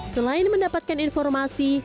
selain mendapatkan informasi